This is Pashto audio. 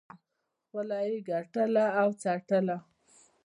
خپله یې ګټله او څټله.